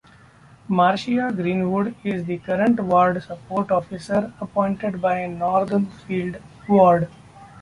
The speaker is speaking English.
Marcia Greenwood is the current Ward Support Officer, appointed by Northfield Ward.